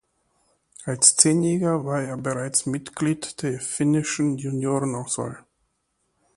Als Zehnjähriger war er bereits Mitglied der finnischen Juniorenauswahl.